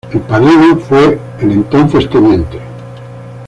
El padrino fue el entonces Tte.